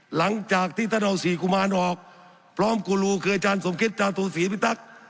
หลังจากที่ท่านเอาศรีกุมารออกพร้อมกุรูเกลือจานสมคริสต์จานศูนย์ศรีพิตรักษ์